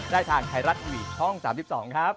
ได้ทางไทยรัฐทีวีช่อง๓๒ครับ